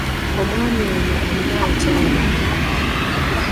Omwami oyo alina abakyala bameka?